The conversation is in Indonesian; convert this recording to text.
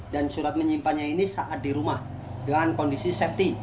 dan surat menyimpannya ini saat di rumah dengan kondisi safety